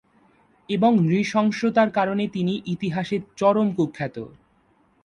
এসব নৃশংসতার কারণে তিনি ইতিহাসে চরম কুখ্যাত।